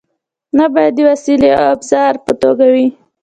نه باید د وسیلې او ابزار په توګه وي.